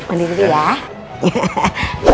mandi dulu ya